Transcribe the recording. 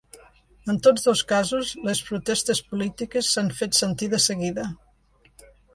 En tots dos casos les protestes polítiques s’han fet sentir de seguida.